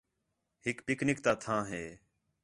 ہِک پِک نِک تا تھاں ہے